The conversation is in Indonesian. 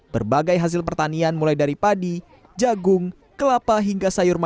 berbagai hasil pertanian mulai dari padi jagung kelapa hingga sayur mayur